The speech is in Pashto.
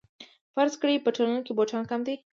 فرض کړئ په ټولنه کې بوټان کم دي